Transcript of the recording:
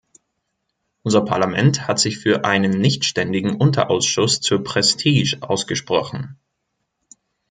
Unser Parlament hat sich für einen Nichtständigen Unterausschuss zur Prestige ausgesprochen.